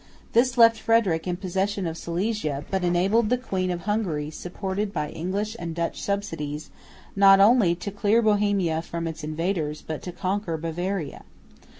This left Frederick in possession of Silesia, but enabled the Queen of Hungary, supported by English and Dutch subsidies, not only to clear Bohemia from its invaders, but to conquer Bavaria.